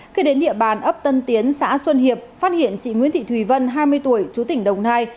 khi đến địa bàn ấp tân tiến xã xuân hiệp phát hiện chị nguyễn thị thùy vân hai mươi tuổi chú tỉnh đồng nai